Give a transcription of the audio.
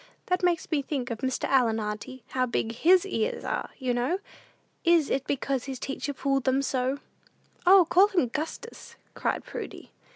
That makes me think of Mr. Allen, auntie. How big his ears are, you know? Is it because his teacher pulled them so?" "O, call him 'Gustus,'" cried Prudy.